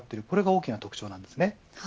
これが大きな特徴です。